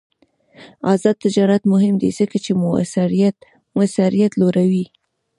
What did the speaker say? آزاد تجارت مهم دی ځکه چې موثریت لوړوي.